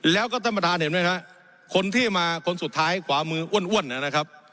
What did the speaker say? แล้วก็ท่านประธานเห็นไหมครับคนที่มาคนสุดท้ายขวามืออ้วนนะครับ